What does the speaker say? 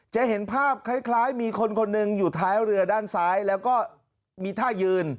จะเห็นภาพคล้ายมีคนคนหนึ่งอยู่ท้ายเรือด้านซ้ายแล้วก็มีท่ายืน